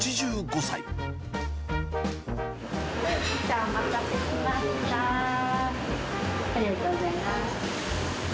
ありがとうございます。